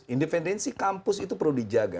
independensi kampus itu perlu dijaga